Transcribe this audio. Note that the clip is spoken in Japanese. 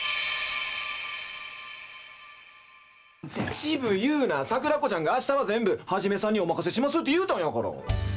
一部言うな、さくらこちゃんがあしたは全部、ハジメさんにお任せしますって言うたんやから。